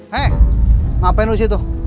hei ngapain lu disitu